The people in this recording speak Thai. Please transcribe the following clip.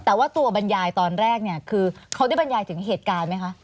แต่ว่าตัวบรรยายตอนแรกเนี่ยคือเขาได้บรรยายถึงเหตุการณ์ไหมคะ